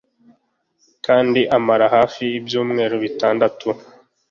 kandi amara hafi ibyumweru bitandatu